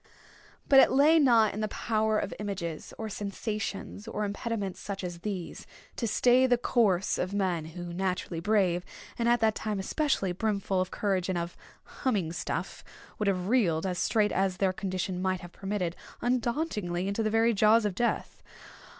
But it lay not in the power of images, or sensations, or impediments such as these, to stay the course of men who, naturally brave, and at that time especially, brimful of courage and of "humming stuff," would have reeled, as straight as their condition might have permitted, undauntedly into the very jaws of Death.